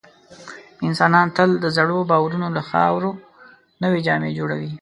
انسانان تل د زړو باورونو له خاورو نوي جوړوي.